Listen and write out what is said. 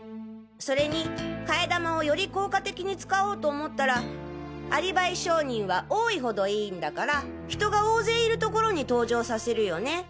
それに替え玉をより効果的に使おうと思ったらアリバイ証人は多いほどいいんだから人が大勢いるところに登場させるよね？